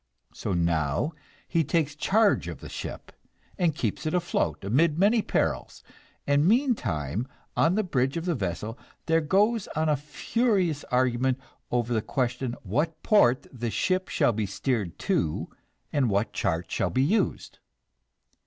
So now he takes charge of the ship, and keeps it afloat amid many perils; and meantime, on the bridge of the vessel, there goes on a furious argument over the question what port the ship shall be steered to and what chart shall be used.